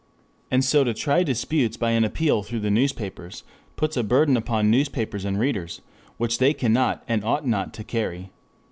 And so to try disputes by an appeal through the newspapers puts a burden upon newspapers and readers which they cannot and ought not to carry.